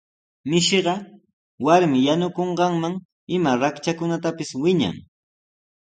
Mishiqa warmi yanukunqanman ima raktrakunatapis winan.